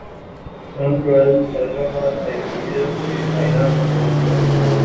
sun Risers Hyderabad I P L کے final میں پہنچ گئی